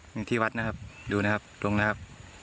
อยู่ที่วัดนะครับดูนะครับตรงนี้ครับ